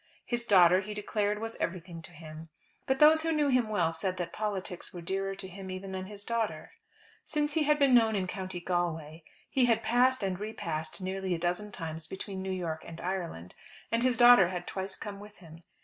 His daughter he declared was everything to him. But those who knew him well said that politics were dearer to him even than his daughter. Since he had been known in County Galway, he had passed and repassed nearly a dozen times between New York and Ireland; and his daughter had twice come with him.